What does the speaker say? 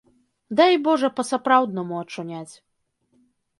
Дай божа па-сапраўднаму ачуняць.